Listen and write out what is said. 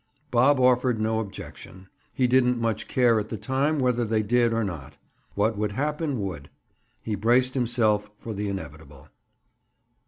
Bob offered no objection. He didn't much care at the time whether they did or not. What would happen would. He braced himself for the inevitable.